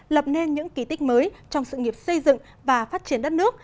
lập nên những kỳ tích mới trong sự nghiệp xây dựng và phát triển đất nước